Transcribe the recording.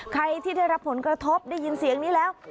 ใครที่ได้รับผลกระทบได้ยินเสียงนี้แล้ว